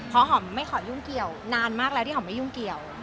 เพราะหอมไม่ขอยุ่งเกี่ยวนานมากแล้วที่หอมไม่ยุ่งเกี่ยว